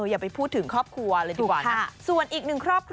อย่าไปพูดถึงครอบครัวเลยดีกว่านะส่วนอีกหนึ่งครอบครัว